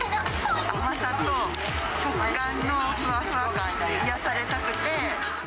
甘さと食感のふわふわ感に癒やされたくて。